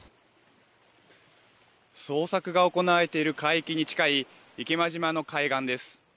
捜索が行われている海域に近い池間島の海岸です。